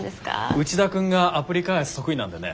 内田君がアプリ開発得意なんでね。